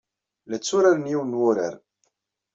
La tturaren yiwen n wurar.